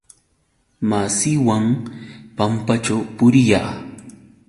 Masiiwan pampaćhuumi puriyaa.